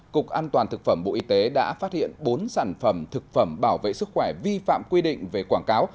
cục an toàn thực phẩm bộ y tế đã phát hiện bốn sản phẩm thực phẩm bảo vệ sức khỏe vi phạm quy định về quảng cáo